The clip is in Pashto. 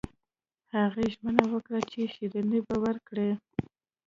هغې ژمنه وکړه چې شیریني به ورکړي